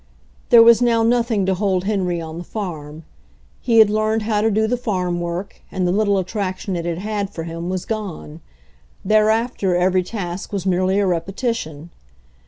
There was now nothing to hold Henry on the farm. He had learned how to do the farm work, and the little attraction it had had for him was gone; thereafter every task was merely a repeti tion.